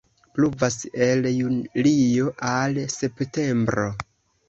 Pluvas el julio al septembro.